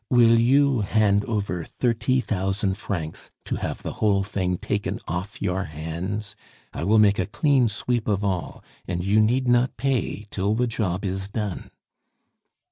Will you hand over thirty thousand francs to have the whole thing taken off your hands? I will make a clean sweep of all, and you need not pay till the job is done."